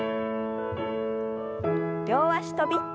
両脚跳び。